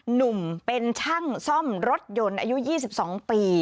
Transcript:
หนุ่มเป็นช่างซ่อมรถยนต์อายุ๒๒ปี